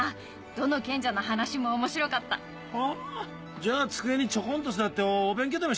どの賢者の話も面白かった。はんじゃ机にちょこんと座ってお勉強でもしてろ！